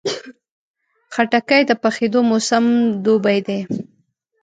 خټکی د پخېدو موسم دوبی دی.